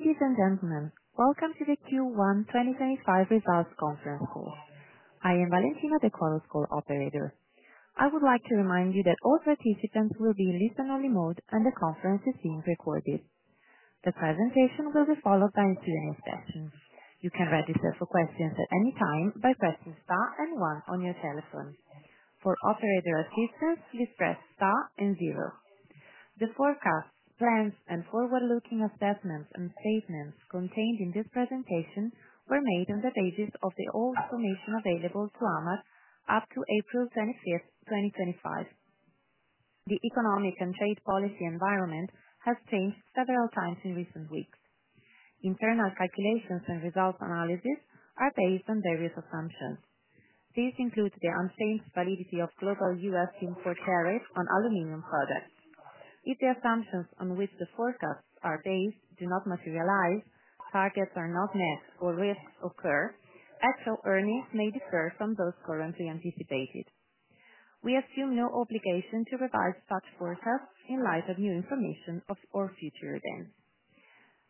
Ladies and gentlemen, welcome to the Q1 2025 results conference call. I am Valentina, the Qualus call operator. I would like to remind you that all participants will be in listen-only mode, and the conference is being recorded. The presentation will be followed by a Q&A session. You can register for questions at any time by pressing star and one on your telephone. For operator assistance, please press star and 0. The forecasts, plans, and forward-looking assessments and statements contained in this presentation were made on the basis of the information available to AMAG Austria Metall up to April 25, 2025. The economic and trade policy environment has changed several times in recent weeks. Internal calculations and results analysis are based on various assumptions. These include the unchanged validity of global U.S. import tariffs on aluminum products. If the assumptions on which the forecasts are based do not materialize, targets are not met, or risks occur, actual earnings may differ from those currently anticipated. We assume no obligation to revise such forecasts in light of new information or future events.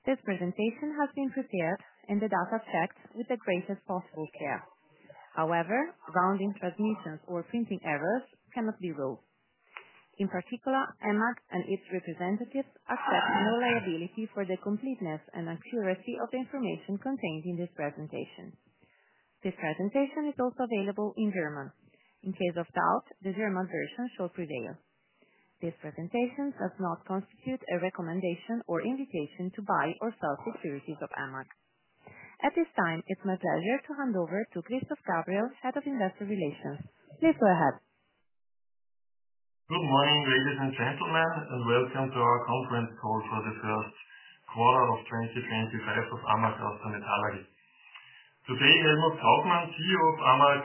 This presentation has been prepared and the data checked with the greatest possible care. However, rounding, transmission, or printing errors cannot be ruled out. In particular, AMAG and its representatives accept no liability for the completeness and accuracy of the information contained in this presentation. This presentation is also available in German. In case of doubt, the German version shall prevail. This presentation does not constitute a recommendation or invitation to buy or sell securities of AMAG. At this time, it's my pleasure to hand over to Christoph Gabriel, Head of Investor Relations. Please go ahead. Good morning, ladies and gentlemen, and welcome to our conference call for the first quarter of 2025 of AMAG Austria Metall. Helmut Kaufmann, CEO of AMAG,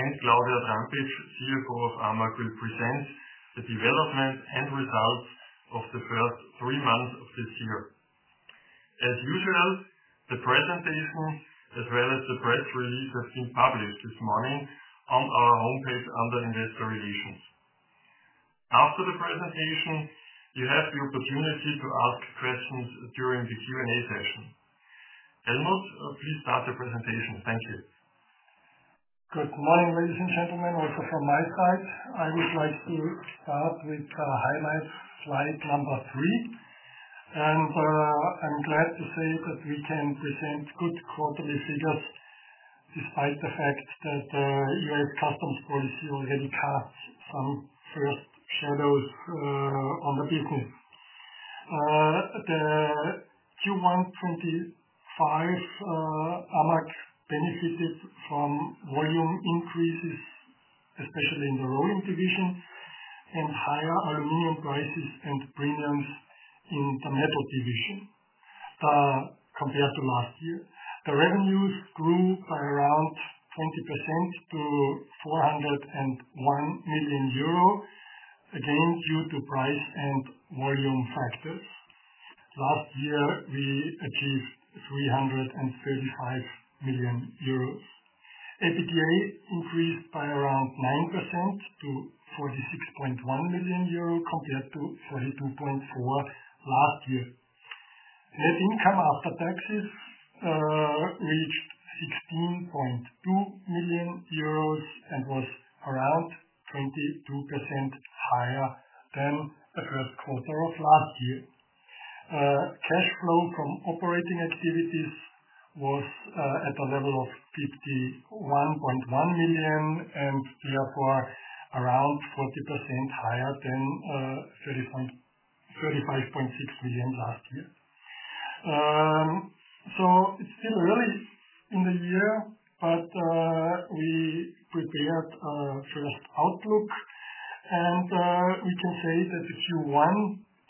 and Claudia Trampitsch, CFO of AMAG, will present the development and results of the first three months of this year. As usual, the presentation as well as the press release have been published this morning on our homepage under Investor Relations. After the presentation, you have the opportunity to ask questions during the Q&A session. Helmut, please start the presentation. Thank you. Good morning, ladies and gentlemen. Also from my side, I would like to start with highlights slide number three. I am glad to say that we can present good quarterly figures despite the fact that the U.S. customs policy already casts some first shadows on the business. In Q1 2025, AMAG benefited from volume increases, especially in the Rolling Division, and higher aluminum prices and premiums in the Metal Division compared to last year. The revenues grew by around 20% to 401 million euro, again due to price and volume factors. Last year, we achieved 335 million euros. EBITDA increased by around 9% to 46.1 million euro compared to 42.4 million last year. Net income after taxes reached 16.2 million euros and was around 22% higher than the first quarter of last year. Cash flow from operating activities was at a level of 51.1 million and therefore around 40% higher than EUR 35.6 million last year. It's still early in the year, but we prepared a first outlook, and we can say that the Q1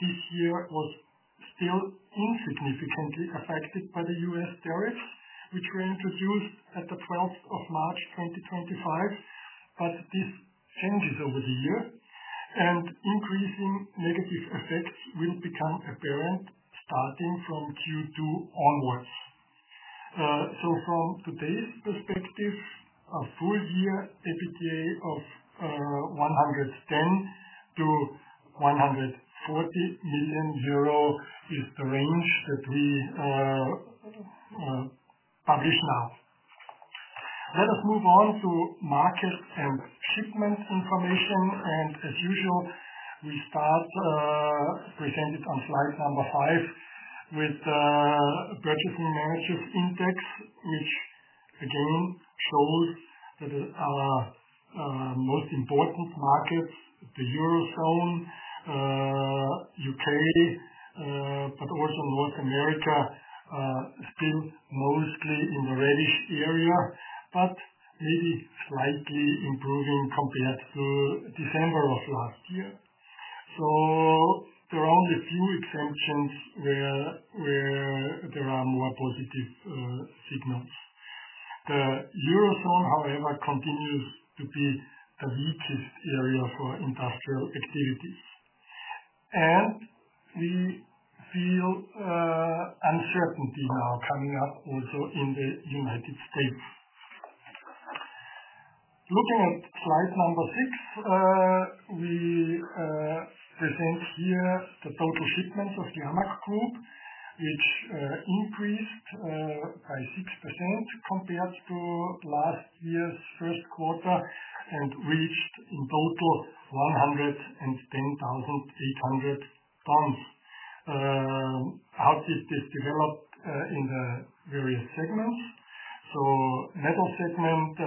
this year was still insignificantly affected by the U.S. tariffs, which were introduced at the 12th of March 2025. This changes over the year, and increasing negative effects will become apparent starting from Q2 onwards. From today's perspective, a full-year EBITDA of 110 million -140 million euro is the range that we publish now. Let us move on to market and shipment information. As usual, we start, presented on slide number five, with the Purchasing Managers' Index, which again shows that our most important markets, the Eurozone, U.K., but also North America, are still mostly in the reddish area, but maybe slightly improving compared to December of last year. There are only a few exemptions where there are more positive signals. The Eurozone, however, continues to be the weakest area for industrial activities. We feel uncertainty now coming up also in the United States. Looking at slide number six, we present here the total shipments of the AMAG Group, which increased by 6% compared to last year's first quarter and reached in total 110,800 tons. How did this develop in the various segments? The metal segment,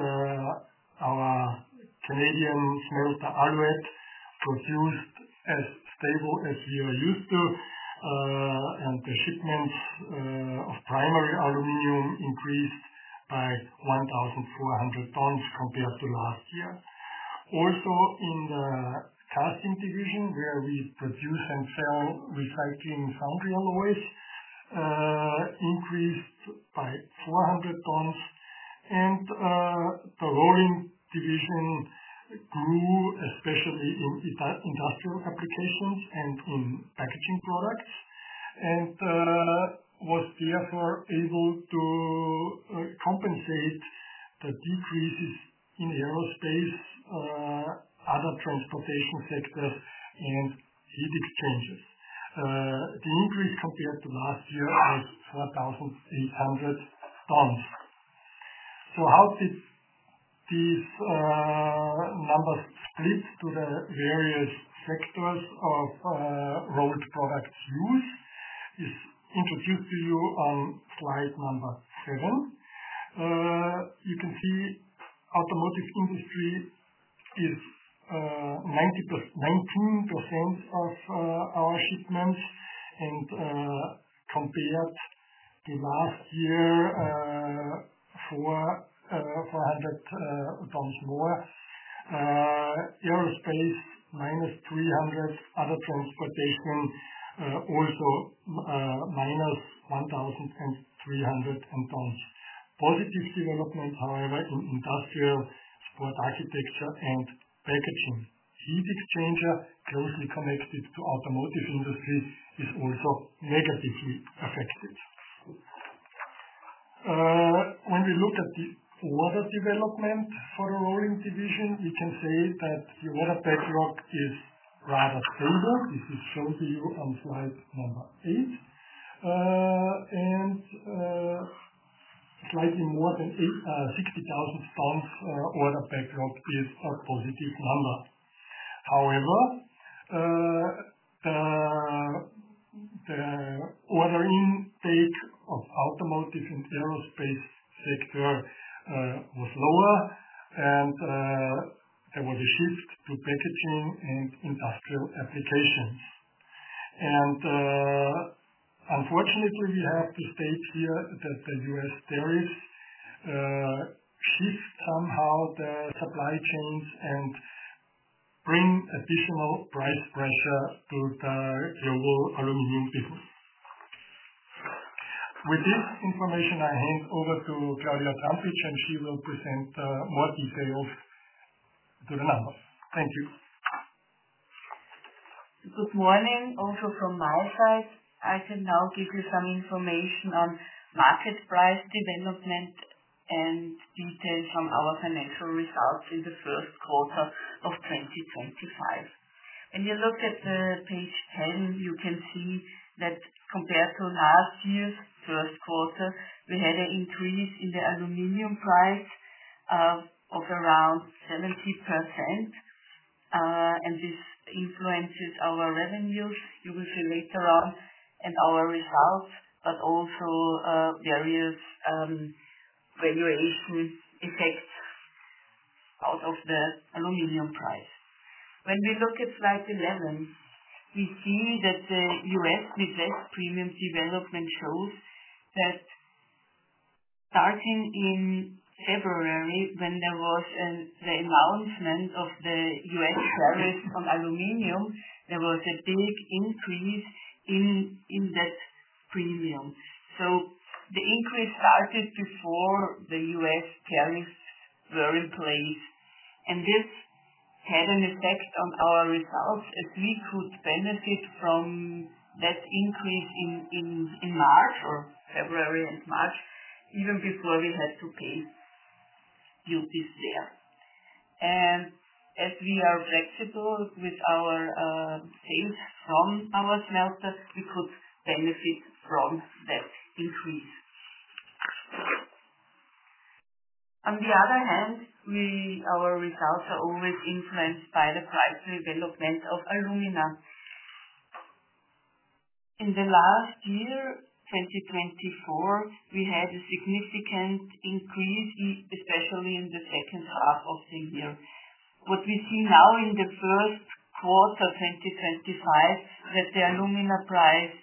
our Canadian smelter Alouette produced as stable as we are used to, and the shipments of primary aluminum increased by 1,400 tons compared to last year. Also in the Casting Division, where we produce and sell recycling foundry alloys, increased by 400 tons. The Rolling Division grew, especially in industrial applications and in packaging products, and was therefore able to compensate the decreases in aerospace, other transportation sectors, and heat exchangers. The increase compared to last year was 4,800 tons. How these numbers split to the various sectors of rolled products use is introduced to you on slide number seven. You can see the automotive industry is 19% of our shipments and compared to last year for 400 tons more. Aerospace minus 300, other transportation also minus 1,300 tons. Positive developments, however, in industrial, sport, architecture, and packaging. Heat exchanger, closely connected to the automotive industry, is also negatively affected. When we look at the order development for the Rolling Division, we can say that the order backlog is rather stable. This is shown to you on slide number eight. Slightly more than 60,000 tons order backlog is a positive number. However, the order intake of the automotive and aerospace sector was lower, and there was a shift to packaging and industrial applications. Unfortunately, we have to state here that the U.S. tariffs shift somehow the supply chains and bring additional price pressure to the global aluminum business. With this information, I hand over to Claudia Trampitsch, and she will present more details to the numbers. Thank you. Good morning. Also from my side, I can now give you some information on market price development and details from our financial results in the first quarter of 2025. When you look at page 10, you can see that compared to last year's first quarter, we had an increase in the aluminum price of around 70%. This influences our revenues, you will see later on, and our results, but also various valuation effects out of the aluminum price. When we look at slide 11, we see that the U.S. Midwest premium development shows that starting in February, when there was the announcement of the U.S. tariffs on aluminum, there was a big increase in that premium. The increase started before the U.S. tariffs were in place. This had an effect on our results as we could benefit from that increase in February and March, even before we had to pay duties there. As we are flexible with our sales from our smelter, we could benefit from that increase. On the other hand, our results are always influenced by the price development of alumina. In the last year, 2024, we had a significant increase, especially in the second half of the year. What we see now in the first quarter 2025 is that the alumina price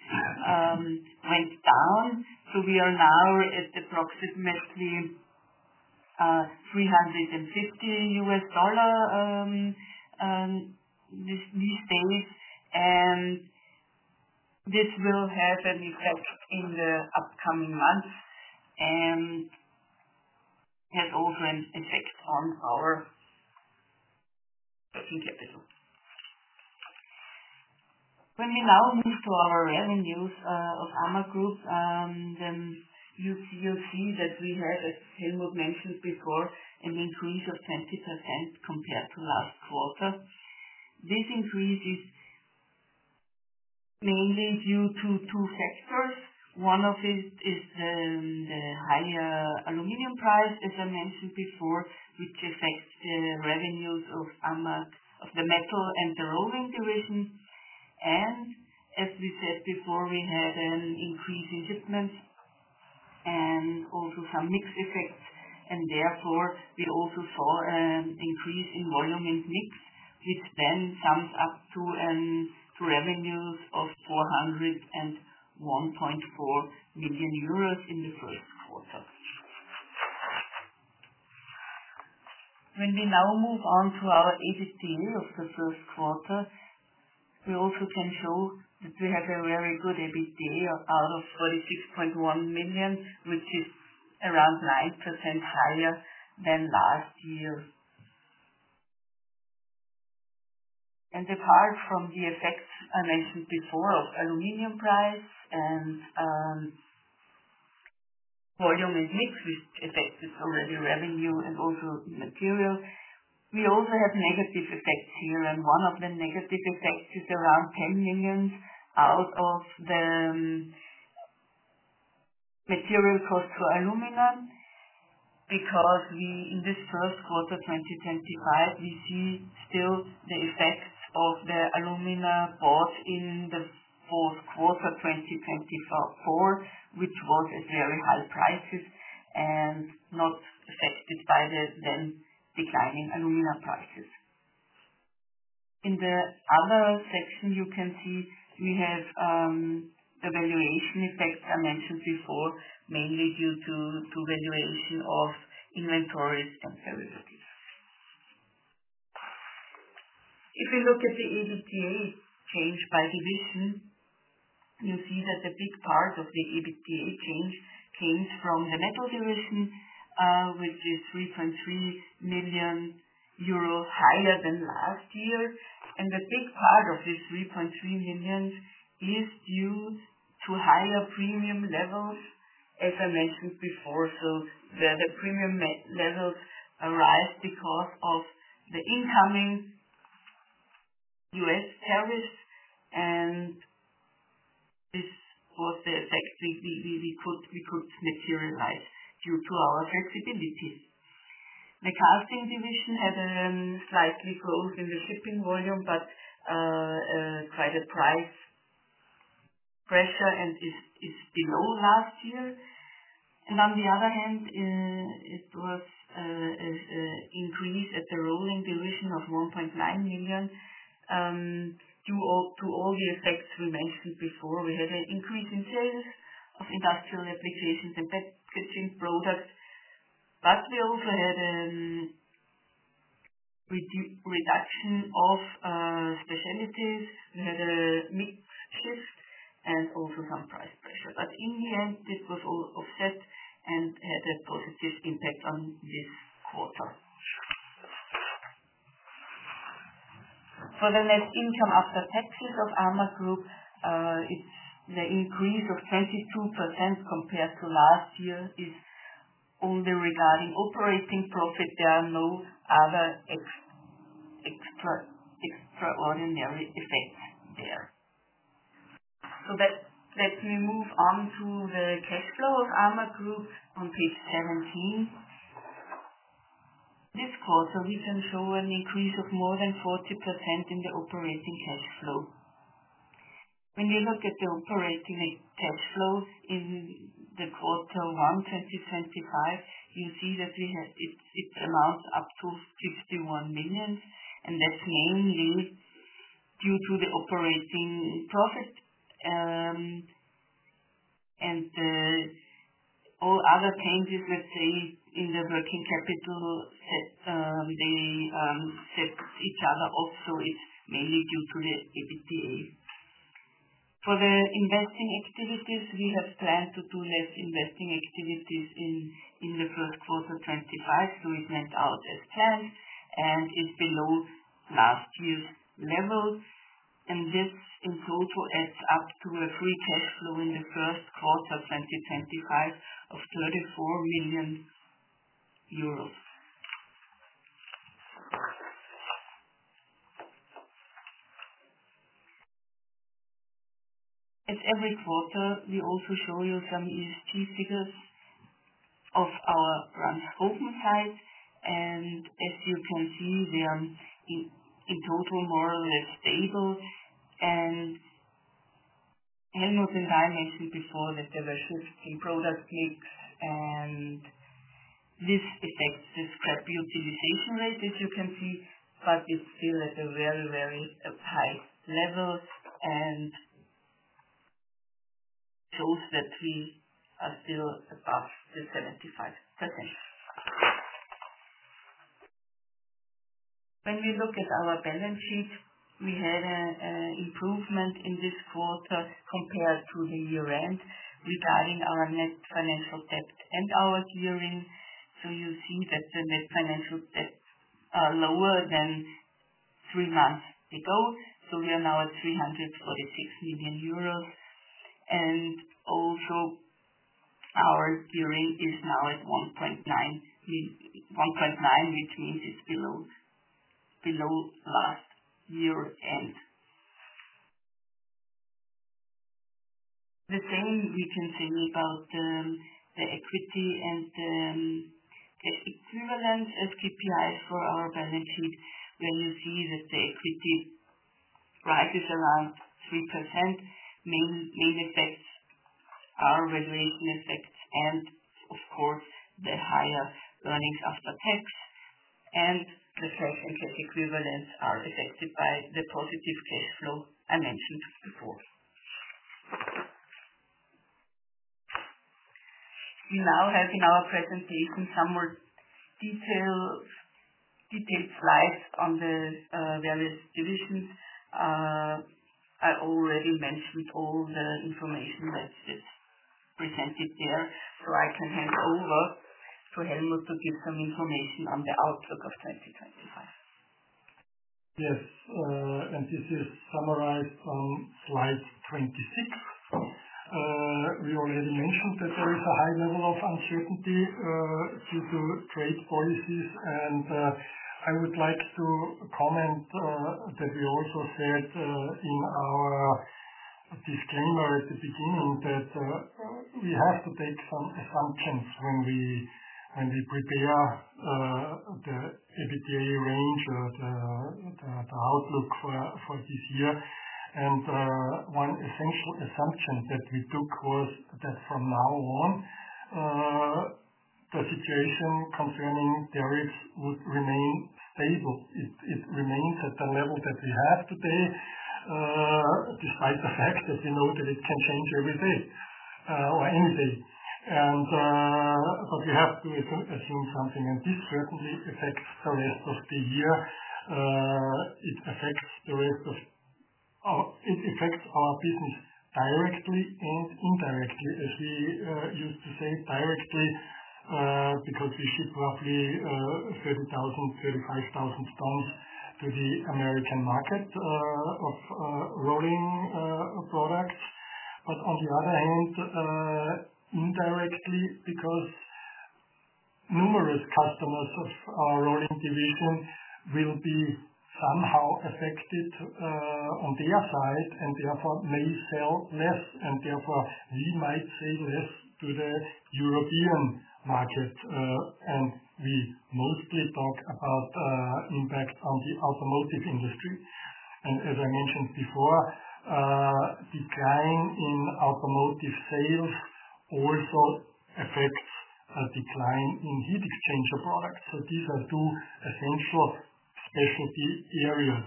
went down. We are now at approximately $350 these days. This will have an effect in the upcoming months and has also an effect on our trading capital. When we now move to our revenues of AMAG Group, then you'll see that we have, as Helmut mentioned before, an increase of 20% compared to last quarter. This increase is mainly due to two factors. One of it is the higher aluminum price, as I mentioned before, which affects the revenues of the metal and the Rolling Division. As we said before, we had an increase in shipments and also some mix effects. Therefore, we also saw an increase in volume and mix, which then sums up to revenues of EUR 401.4 million in the first quarter. When we now move on to our EBITDA of the first quarter, we also can show that we have a very good EBITDA out of 46.1 million, which is around 9% higher than last year. Apart from the effects I mentioned before of aluminum price and volume and mix, which affected already revenue and also material, we also have negative effects here. One of the negative effects is around 10 million out of the material cost for alumina because in this first quarter 2025, we see still the effects of the alumina bought in the fourth quarter 2024, which was at very high prices and not affected by the then declining alumina prices. In the other section, you can see we have the valuation effects I mentioned before, mainly due to valuation of inventories and derivatives. If we look at the EBITDA change by division, you see that a big part of the EBITDA change came from the Metal Division, which is 3.3 million euro higher than last year. A big part of this 3.3 million is due to higher premium levels, as I mentioned before. The premium levels arise because of the incoming U.S. tariffs. This was the effect we could materialize due to our flexibility. The Casting Division had a slight growth in the shipping volume, but quite a price pressure and is below last year. On the other hand, there was an increase at the Rolling Division of 1.9 million due to all the effects we mentioned before. We had an increase in sales of industrial applications and packaging products. We also had a reduction of specialities. We had a mix shift and also some price pressure. In the end, it was all offset and had a positive impact on this quarter. For the net income after taxes of AMAG Group, the increase of 22% compared to last year is only regarding operating profit. There are no other extraordinary effects there. Let me move on to the cash flow of AMAG Group on page 17. This quarter, we can show an increase of more than 40% in the operating cash flow. When we look at the operating cash flow in the quarter one 2025, you see that it amounts up to 51 million. That is mainly due to the operating profit. All other changes, let's say, in the working capital, they set each other off. It is mainly due to the EBITDA. For the investing activities, we have planned to do less investing activities in the first quarter 2025. It went out as planned and is below last year's level. This in total adds up to a free cash flow in the first quarter 2025 of EUR 34 million. As every quarter, we also show you some ESG figures of our Brand Helmut side. As you can see, they are in total more or less stable. Helmut and I mentioned before that there were shifts in product mix. This affects the scrap utilization rate, as you can see, but it is still at a very, very high level and shows that we are still above the 75%. When we look at our balance sheet, we had an improvement in this quarter compared to the year-end regarding our net financial debt and our gearing. You see that the net financial debt is lower than three months ago. We are now at 346 million euros. Also, our gearing is now at 1.9, which means it is below last year-end. The same we can say about the equity and the equivalents as KPIs for our balance sheet, where you see that the equity rises around 3%. Main effects are valuation effects and, of course, the higher earnings after tax. The cash and cash equivalents are affected by the positive cash flow I mentioned before. We now have in our presentation some more detailed slides on the various divisions. I already mentioned all the information that's presented there. I can hand over to Helmut to give some information on the outlook of 2025. Yes. This is summarized on slide 26. We already mentioned that there is a high level of uncertainty due to trade policies. I would like to comment that we also said in our disclaimer at the beginning that we have to take some assumptions when we prepare the EBITDA range, the outlook for this year. One essential assumption that we took was that from now on, the situation concerning tariffs would remain stable. It remains at the level that we have today, despite the fact that we know that it can change every day or any day. We have to assume something. This certainly affects the rest of the year. It affects the rest of our business directly and indirectly, as we used to say, directly, because we ship roughly 30,000 tons-35,000 tons to the American market of rolling products. On the other hand, indirectly, because numerous customers of our Rolling Division will be somehow affected on their side and therefore may sell less, we might sell less to the European market. We mostly talk about impact on the automotive industry. As I mentioned before, decline in automotive sales also affects a decline in heat exchanger products. These are two essential specialty areas.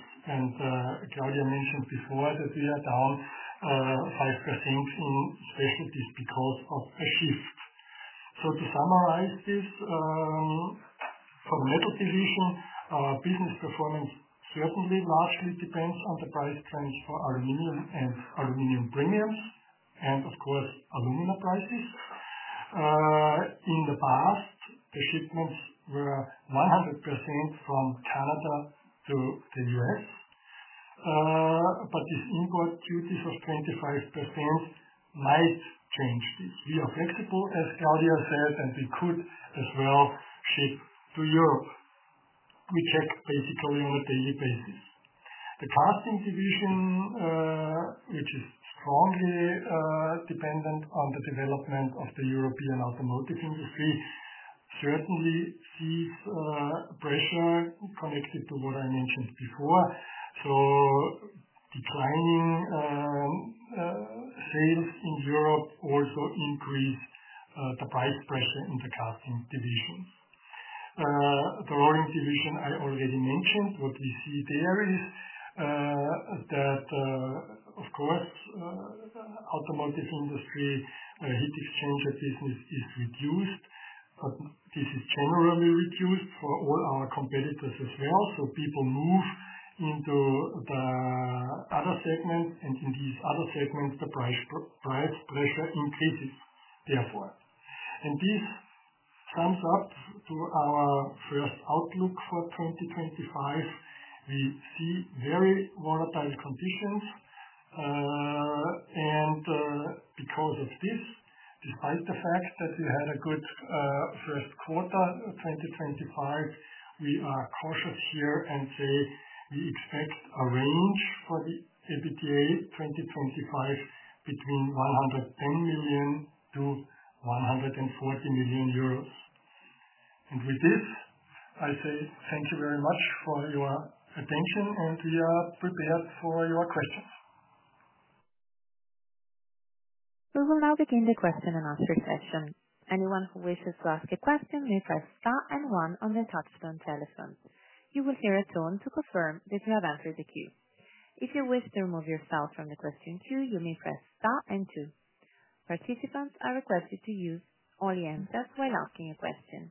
Claudia mentioned before that we are down 5% in specialties because of a shift. To summarize this, for the Metal Division, business performance certainly largely depends on the price trends for aluminum and aluminum premiums and, of course, alumina prices. In the past, the shipments were 100% from Canada to the U.S. This import duties of 25% might change this. We are flexible, as Claudia said, and we could as well ship to Europe. We check basically on a daily basis. The Casting Division, which is strongly dependent on the development of the European automotive industry, certainly sees pressure connected to what I mentioned before. Declining sales in Europe also increase the price pressure in the Casting Divisions. The Rolling Division I already mentioned, what we see there is that, of course, the automotive industry heat exchanger business is reduced. This is generally reduced for all our competitors as well. People move into the other segment. In these other segments, the price pressure increases therefore. This sums up to our first outlook for 2025. We see very volatile conditions. Because of this, despite the fact that we had a good first quarter 2025, we are cautious here and say we expect a range for the EBITDA 2025 between 110 million-140 million euros. Thank you very much for your attention, and we are prepared for your questions. We will now begin the question and answer section. Anyone who wishes to ask a question may press star and one on the touchstone telephone. You will hear a tone to confirm that you have entered the queue. If you wish to remove yourself from the question queue, you may press star and two. Participants are requested to use all the answers while asking a question.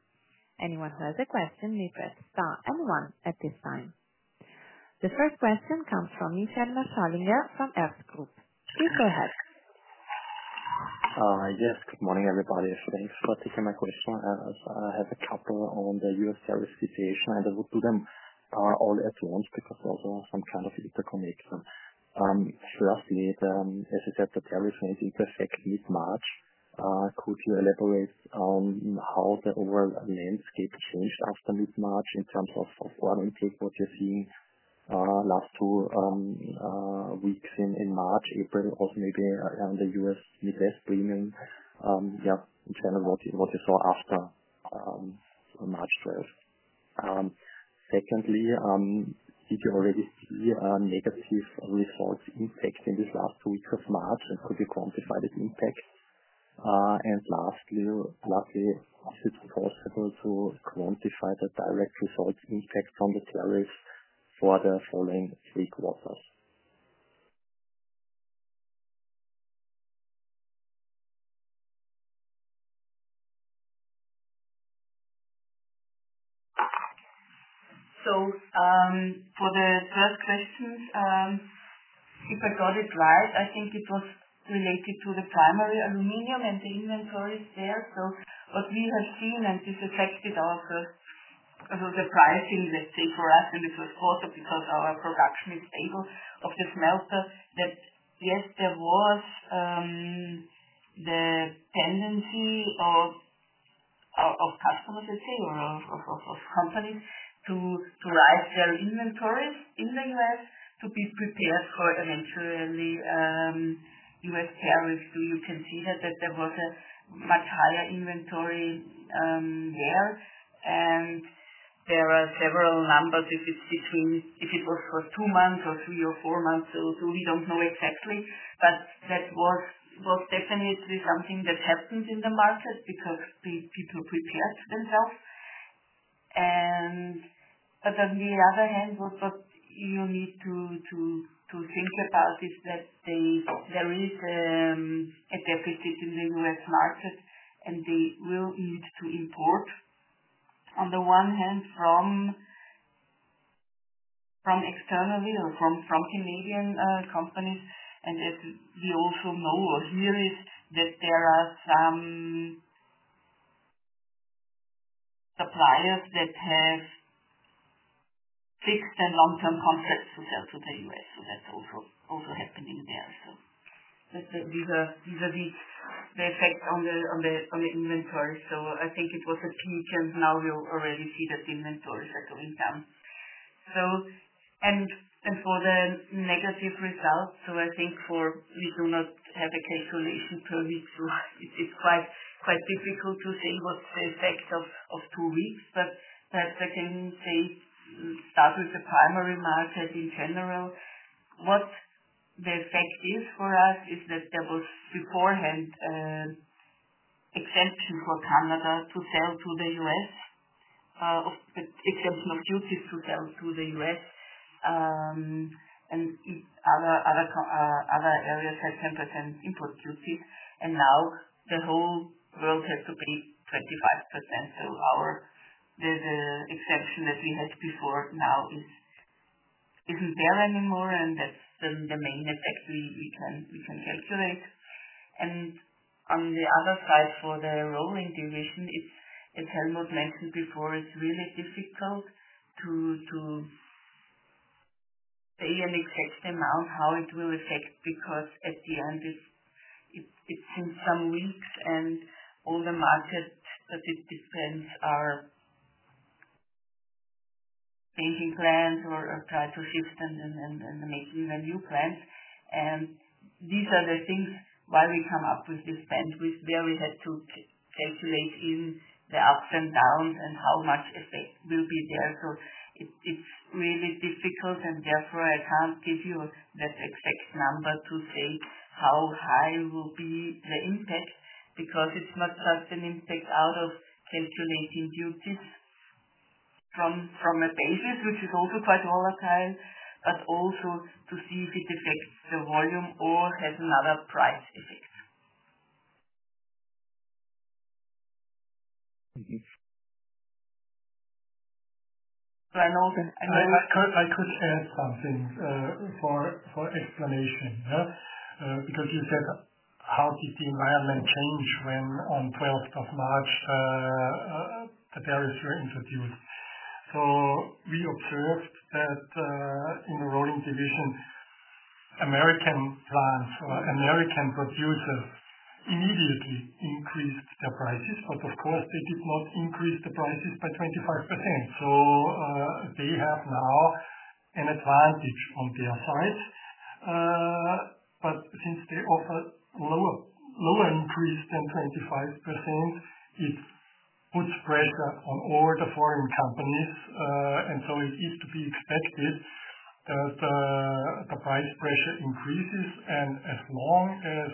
Anyone who has a question may press star and one at this time. The first question comes from Michael Marschallinger from Erste Group. Please go ahead. Yes. Good morning, everybody. Thanks for taking my question. I have a couple on the U.S. tariff situation, and I will do them all at once because there's also some kind of interconnection. Firstly, as I said, the tariff is in effect mid-March. Could you elaborate on how the overall landscape changed after mid-March in terms of all intake? What you're seeing last two weeks in March, April, also maybe on the U.S. Midwest premium, yeah, in general, what you saw after March 12th. Secondly, did you already see negative results impact in this last two weeks of March? And could you quantify this impact? And lastly, is it possible to quantify the direct results impact on the tariffs for the following three quarters? For the first questions, if I got it right, I think it was related to the primary aluminum and the inventories there. What we have seen, and this affected also the pricing, let's say, for us, and this was also because our production is stable of the smelter, that yes, there was the tendency of customers, let's say, or of companies to raise their inventories in the U.S. to be prepared for eventually U.S. tariffs. You can see that there was a much higher inventory there. There are several numbers if it is between if it was for two months or three or four months or so, we do not know exactly. That was definitely something that happened in the market because people prepared themselves. On the other hand, what you need to think about is that there is a deficit in the U.S. Market, and they will need to import on the one hand from externally or from Canadian companies. As we also know here, there are some suppliers that have fixed and long-term contracts to sell to the U.S. That is also happening there. These are the effects on the inventory. I think it was a peak, and now we already see that inventories are going down. For the negative results, I think we do not have a calculation per week. It is quite difficult to say what is the effect of two weeks. Perhaps I can start with the primary market in general. What the effect is for us is that there was beforehand exemption for Canada to sell to the U.S., exemption of duties to sell to the U.S. Other areas had 10% import duties. Now the whole world has to pay 25%. The exemption that we had before now is not there anymore. That is the main effect we can calculate. On the other side, for the Rolling Division, as Helmut mentioned before, it is really difficult to say an exact amount how it will affect because in the end, it is in some weeks, and all the markets that it depends on are changing plans or trying to shift and making new plans. These are the things why we come up with this bandwidth, where we had to calculate in the ups and downs and how much effect will be there. It is really difficult. Therefore, I can't give you that exact number to say how high will be the impact because it's not just an impact out of calculating duties from a basis, which is also quite volatile, but also to see if it affects the volume or has another price effect. So I know. I could add something for explanation because you said, "How did the environment change when on 12th of March, the tariffs were introduced?" We observed that in the Rolling Division, American plants or American producers immediately increased their prices. Of course, they did not increase the prices by 25%. They have now an advantage on their side. Since they offer lower increase than 25%, it puts pressure on all the foreign companies. It is to be expected that the price pressure increases. As long as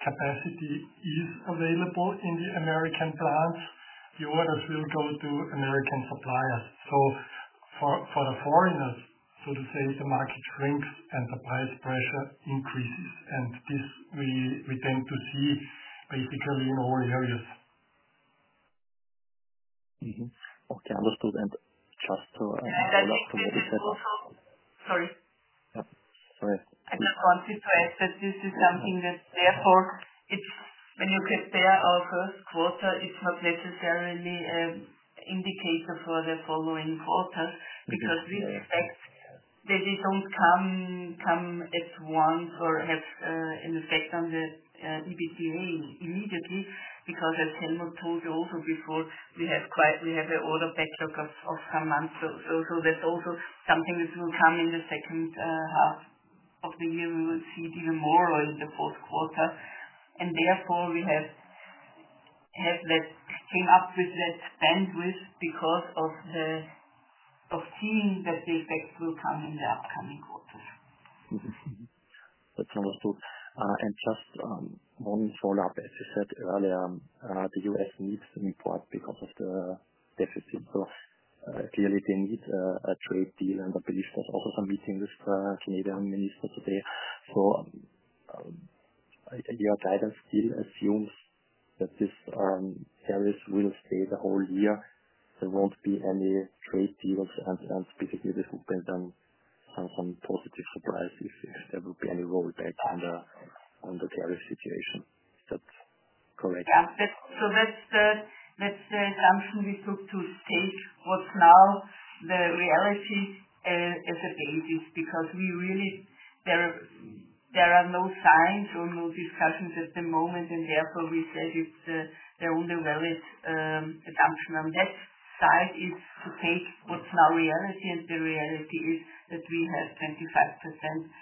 capacity is available in the American plants, the orders will go to American suppliers. For the foreigners, so to say, the market shrinks and the price pressure increases. This we tend to see basically in all areas. Okay. Understood. Just to maybe set up. I think it's also. Sorry. Sorry. I just wanted to add that this is something that therefore, when you compare our first quarter, it's not necessarily an indicator for the following quarters because we expect that it won't come at once or have an effect on the EBITDA immediately because, as Helmut told you also before, we have an order backlog of some months. That's also something that will come in the second half of the year. We will see it even more in the fourth quarter. Therefore, we have came up with that bandwidth because of seeing that the effect will come in the upcoming quarters. That's understood. Just one follow-up. As you said earlier, the U.S. needs to import because of the deficit. Clearly, they need a trade deal. I believe there's also some meeting with the Canadian minister today. Your guidance still assumes that these tariffs will stay the whole year. There won't be any trade deals. Basically, this would bring them some positive surprise if there would be any rollback on the tariff situation. Is that correct? Yeah. That's the assumption we took to take what's now the reality as a basis because there are no signs or no discussions at the moment. Therefore, we said the only valid assumption on that side is to take what's now reality. The reality is that we have 25%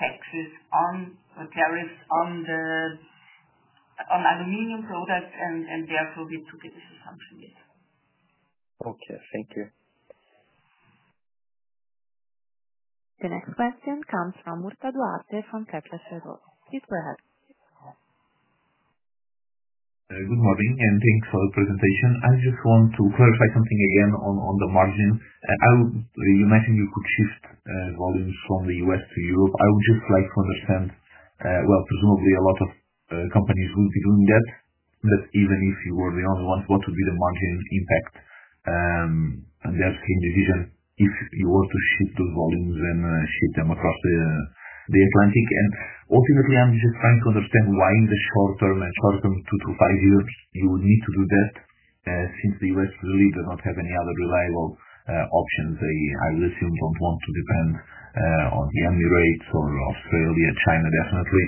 tariffs on aluminum products. Therefore, we took this assumption. Okay. Thank you. The next question comes from Murta Duarte from Kepler Cheuvreux. Please go ahead. Good morning. Thanks for the presentation. I just want to clarify something again on the margin. You mentioned you could shift volumes from the U.S. to Europe. I would just like to understand, presumably a lot of companies will be doing that. Even if you were the only ones, what would be the margin impact on the Erst Green division if you were to shift those volumes and shift them across the Atlantic? Ultimately, I'm just trying to understand why in the short term, two to five years, you would need to do that since the U.S. really does not have any other reliable options. I would assume you don't want to depend on the Emirates or Australia, China definitely.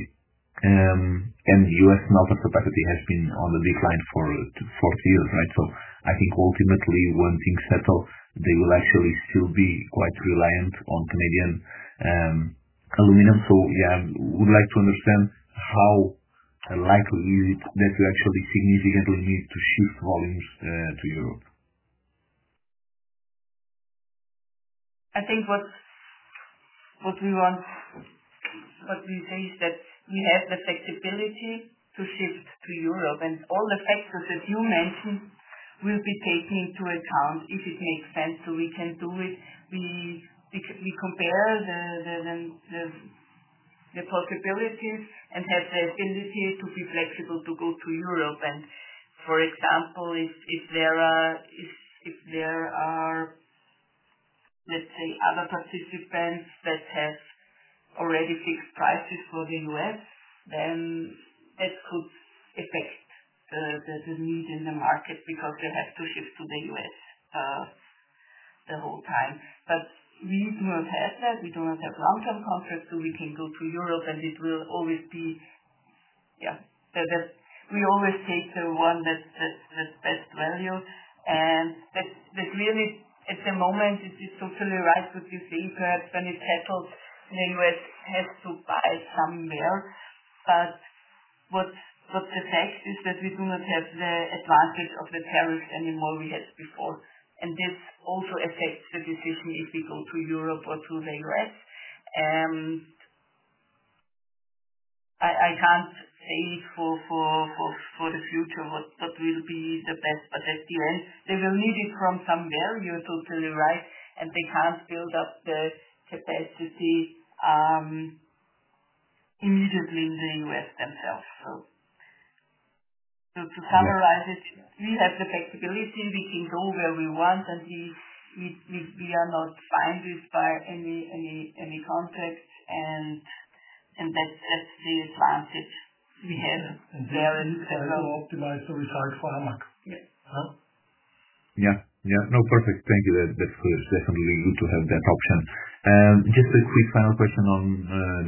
The U.S. smelter capacity has been on the decline for two years, right? I think ultimately, when things settle, they will actually still be quite reliant on Canadian aluminum. Yeah, I would like to understand how likely is it that you actually significantly need to shift volumes to Europe? I think what we want, what we say, is that we have the flexibility to shift to Europe. All the factors that you mentioned will be taken into account if it makes sense. We can do it. We compare the possibilities and have the ability to be flexible to go to Europe. For example, if there are, let's say, other participants that have already fixed prices for the U.S., that could affect the need in the market because they have to shift to the U.S. the whole time. We do not have that. We do not have long-term contracts. We can go to Europe, and it will always be, yeah, we always take the one that's best value. Really, at the moment, it's totally right what you say. Perhaps when it settles, the U.S. has to buy somewhere. What's the fact is that we do not have the advantage of the tariffs anymore we had before. This also affects the decision if we go to Europe or to the U.S. I can't say for the future what will be the best. At the end, they will need it from somewhere. You're totally right. They can't build up the capacity immediately in the U.S. themselves. To summarize it, we have the flexibility. We can go where we want. We are not bounded by any contracts. That's the advantage we have there. You can also optimize the results for AMAG. Yes. Yeah. Yeah. No, perfect. Thank you. That's good. It's definitely good to have that option. Just a quick final question on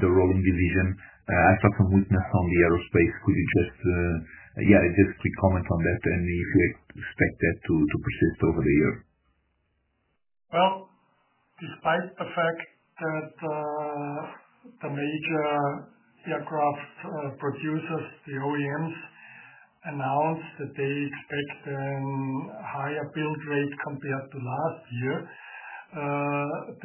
the Rolling Division. I saw some weakness on the aerospace. Could you just, yeah, just quick comment on that and if you expect that to persist over the year? Despite the fact that the major aircraft producers, the OEMs, announced that they expect a higher build rate compared to last year,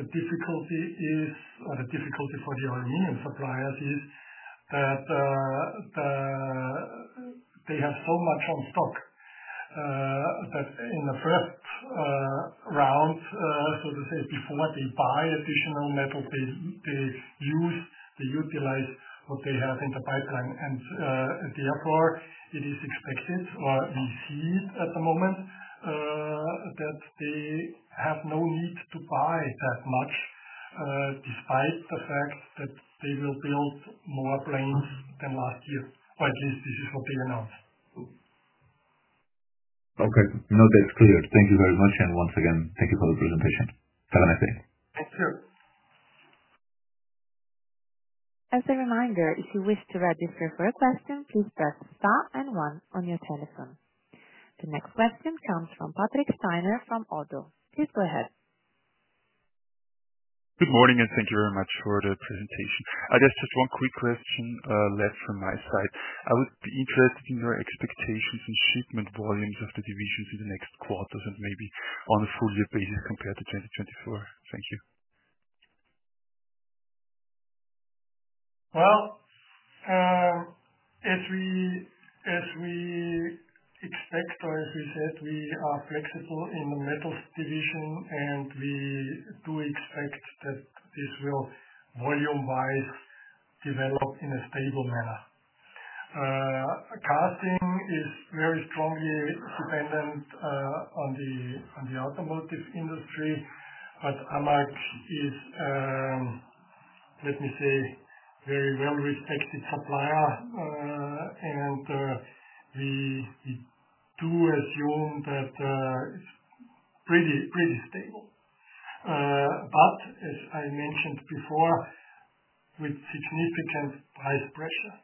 the difficulty is, or the difficulty for the aluminum suppliers is that they have so much on stock that in the first round, so to say, before they buy additional metal, they use, they utilize what they have in the pipeline. Therefore, it is expected, or we see it at the moment, that they have no need to buy that much despite the fact that they will build more planes than last year. Or at least this is what they announced. Okay. No, that's clear. Thank you very much. And once again, thank you for the presentation. Have a nice day. Thank you. As a reminder, if you wish to register for a question, please press star and one on your telephone. The next question comes from Patrick Steiner from Oddo. Please go ahead. Good morning and thank you very much for the presentation. I guess just one quick question left from my side. I would be interested in your expectations on shipment volumes of the divisions in the next quarters and maybe on a full-year basis compared to 2024. Thank you. As we expect or as we said, we are flexible in the Metals Division, and we do expect that this will volume-wise develop in a stable manner. Casting is very strongly dependent on the automotive industry. AMAG is, let me say, a very well-respected supplier. We do assume that it's pretty stable. As I mentioned before, with significant price pressure.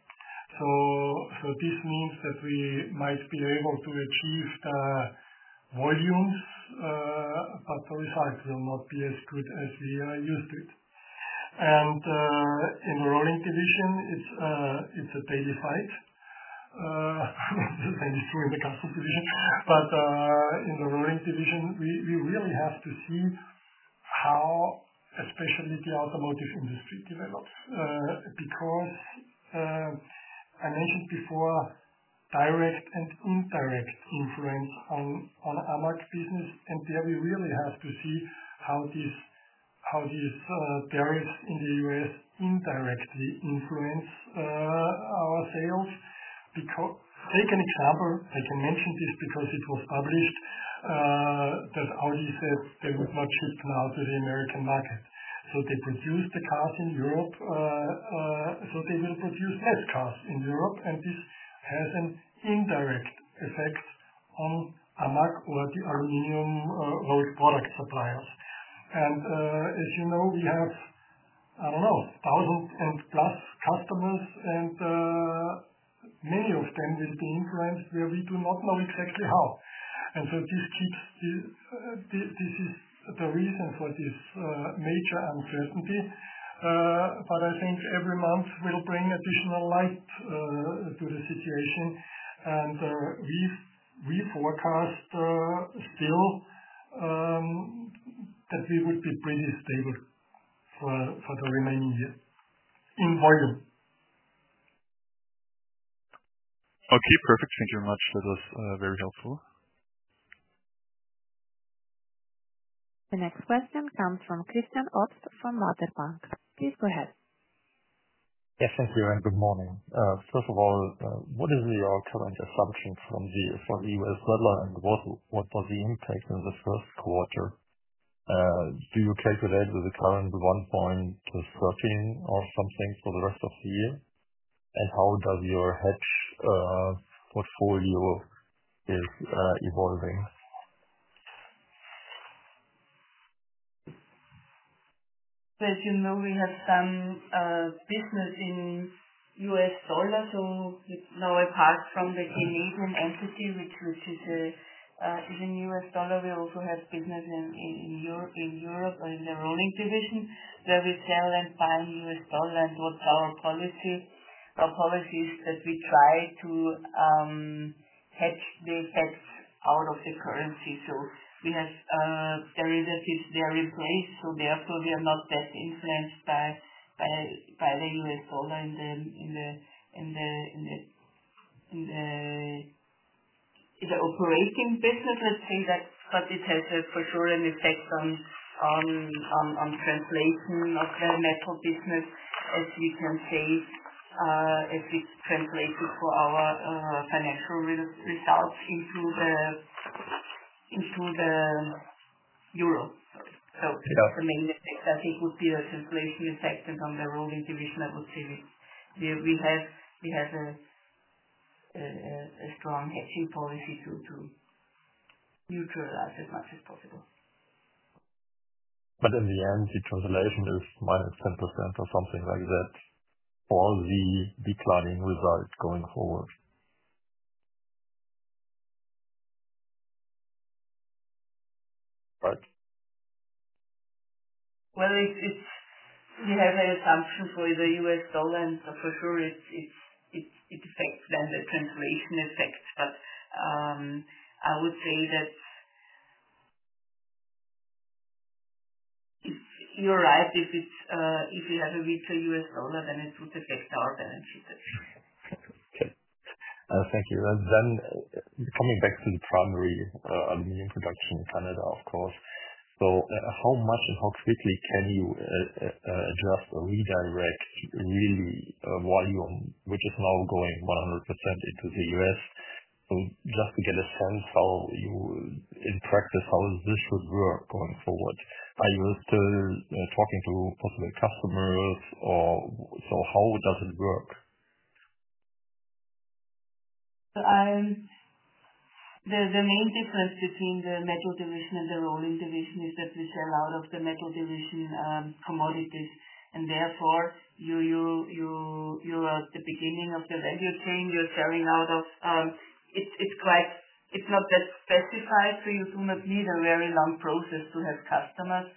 This means that we might be able to achieve the volumes, but the result will not be as good as we are used to. In the Rolling Division, it's a daily fight. The same is true in the casting division. In the Rolling Division, we really have to see how, especially, the automotive industry develops. I mentioned before, direct and indirect influence on AMAG business. We really have to see how these tariffs in the U.S. Indirectly influence our sales. Take an example. I can mention this because it was published that Audi said they would not ship now to the American market. They produce the cars in Europe. They will produce fewer cars in Europe. This has an indirect effect on AMAG or the aluminum rolled product suppliers. As you know, we have, I do not know, 1,000 and plus customers. Many of them will be influenced where we do not know exactly how. This is the reason for this major uncertainty. I think every month will bring additional light to the situation. We forecast still that we would be pretty stable for the remaining year in volume. Okay. Perfect. Thank you very much. That was very helpful. The next question comes from Christian Obst from Baader Bank. Please go ahead. Yes. Thank you. Good morning. First of all, what is your current assumption from the U.S. smelter and what was the impact in the first quarter? Do you calculate with the current $1.13 or something for the rest of the year? How does your hedge portfolio evolve? As you know, we have some business in U.S. dollar. Apart from the Canadian entity, which is in U.S. dollar, we also have business in Europe or in the Rolling Division where we sell and buy U.S. dollar. What's our policy? Our policy is that we try to hedge the effects out of the currency. There is a replace. Therefore, we are not that influenced by the U.S. dollar in the operating business, let's say, because it has for sure an effect on translation of the metal business as we can say, as we translate it for our financial results into the euro. The main effect, I think, would be the translation effect on the Rolling Division. I would say we have a strong hedging policy to neutralize as much as possible. In the end, the translation is minus 10% or something like that for the declining result going forward, right? We have an assumption for the U.S. dollar. And so for sure, it affects then the translation effect. I would say that you're right. If we have a weaker U.S. dollar, then it would affect our balance sheet, I think. Okay. Thank you. Coming back to the primary aluminum production in Canada, of course. How much and how quickly can you adjust or redirect really volume, which is now going 100% into the U.S.? Just to get a sense in practice, how this would work going forward? Are you still talking to possible customers? How does it work? The main difference between the Metal Division and the Rolling Division is that we sell out of the Metal Division commodities. Therefore, you're at the beginning of the value chain. You're selling out of it's not that specified. You do not need a very long process to have customers.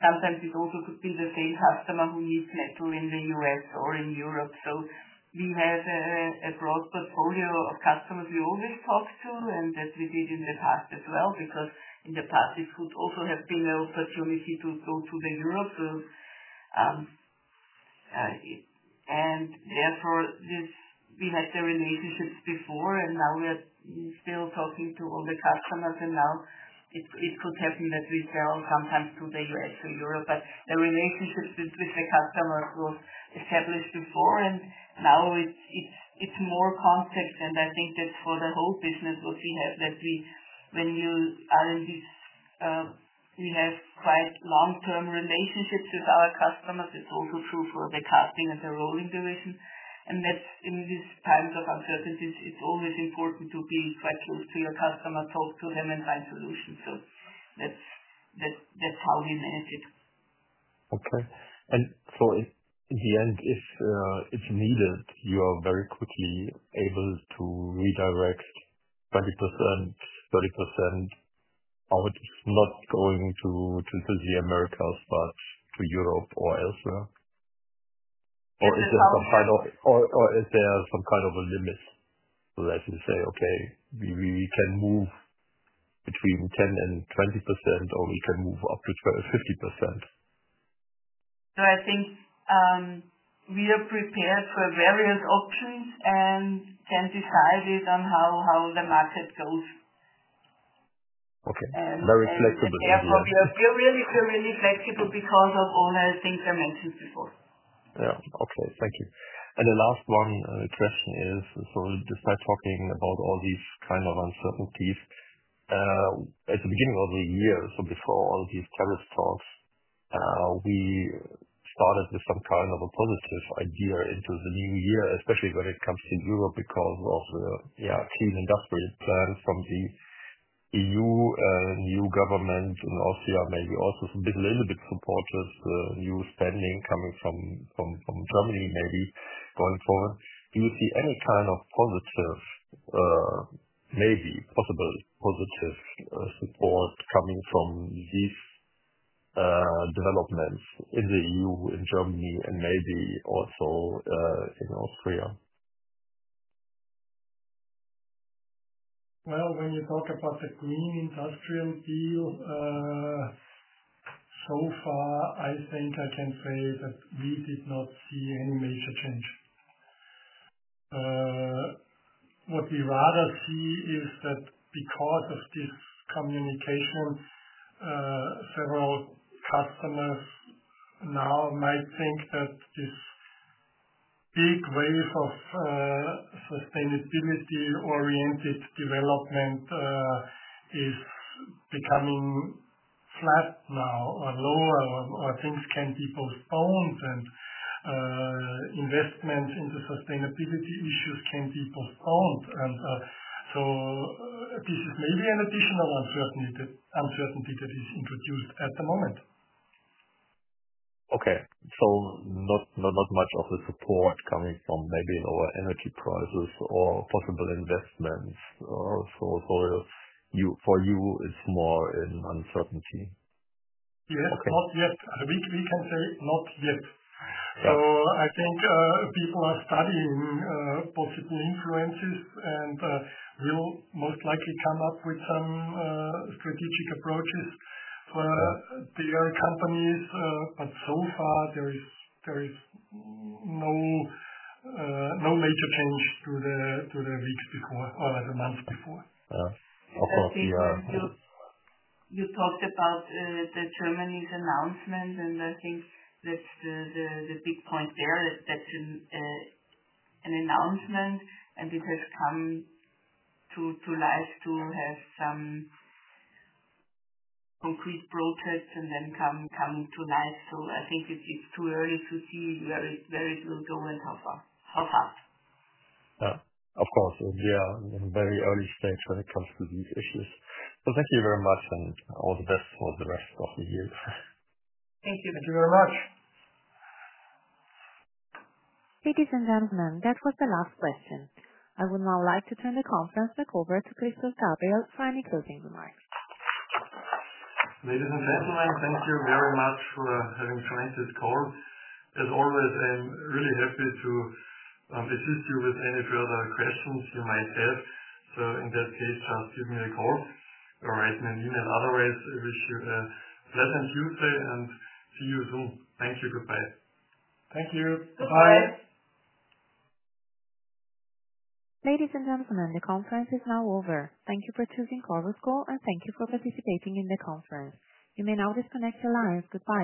Sometimes it also could be the same customer who needs metal in the U.S. or in Europe. We have a broad portfolio of customers we always talk to and that we did in the past as well because in the past, it could also have been an opportunity to go to Europe. Therefore, we had the relationships before. Now we are still talking to all the customers. Now it could happen that we sell sometimes to the U.S. or Europe. The relationship with the customers was established before. Now it's more complex. I think that's for the whole business what we have that when you are in this, we have quite long-term relationships with our customers. It's also true for the casting and the Rolling Division. In these times of uncertainty, it's always important to be quite close to your customer, talk to them, and find solutions. That's how we manage it. Okay. In the end, if needed, you are very quickly able to redirect 20%-30% out, not going to the Americas but to Europe or elsewhere? Is there some kind of a limit that you say, "Okay, we can move between 10% and 20%, or we can move up to 50%"? I think we are prepared for various options and can decide it on how the market goes. Okay. Very flexible. Therefore, we are really flexible because of all the things I mentioned before. Yeah. Okay. Thank you. The last one question is, despite talking about all these kind of uncertainties, at the beginning of the year, before all these tariff talks, we started with some kind of a positive idea into the new year, especially when it comes to Europe because of the, yeah, clean industry plan from the EU, new government in Austria, maybe also a little bit supportive, new spending coming from Germany maybe going forward. Do you see any kind of positive, maybe possible positive support coming from these developments in the EU, in Germany, and maybe also in Austria? When you talk about the green industrial deal, so far, I think I can say that we did not see any major change. What we rather see is that because of this communication, several customers now might think that this big wave of sustainability-oriented development is becoming flat now or lower, or things can be postponed, and investments into sustainability issues can be postponed. This is maybe an additional uncertainty that is introduced at the moment. Okay. So not much of the support coming from maybe lower energy prices or possible investments. For you, it's more in uncertainty. Yes. Not yet. We can say not yet. I think people are studying possible influences and will most likely come up with some strategic approaches for their companies. So far, there is no major change to the weeks before or the months before. Yeah. Of course, we are. You talked about Germany's announcement, and I think that's the big point there. That's an announcement, and it has come to life to have some concrete projects and then come to life. I think it's too early to see where it will go and how far. Yeah. Of course. We are in a very early stage when it comes to these issues. Thank you very much, and all the best for the rest of the year. Thank you very much. Thank you very much. Ladies and gentlemen, that was the last question. I would now like to turn the conference back over to Christoph Gabriel for any closing remarks. Ladies and gentlemen, thank you very much for having joined this call. As always, I'm really happy to assist you with any further questions you might have. In that case, just give me a call or write me an email. Otherwise, I wish you a pleasant Tuesday and see you soon. Thank you. Goodbye. Thank you. Goodbye. Bye. Ladies and gentlemen, the conference is now over. Thank you for choosing Clauser School, and thank you for participating in the conference. You may now disconnect your lines. Goodbye.